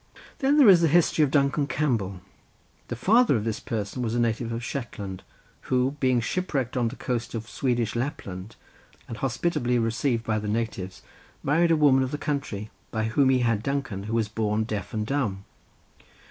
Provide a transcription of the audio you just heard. Then there is the history of Duncan Campbell. The father of this person was a native of Shetland, who being shipwrecked on the coast of Swedish Lapland, and hospitably received by the natives, married a woman of the country, by whom he had Duncan, who was born deaf and dumb.